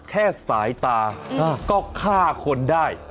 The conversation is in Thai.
สายตาก็ฆ่าคนได้